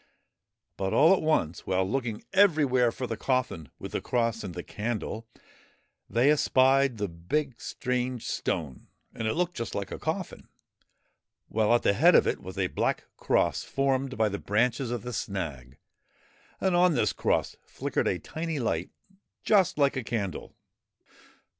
But all at once, while looking everywhere for the coffin with the cross and the candle, they espied the big, strange stone, and it looked just like a coffin ; while at the head of it was a black cross formed by the branches of the snag, and on this cross flickered a tiny light just like a candle.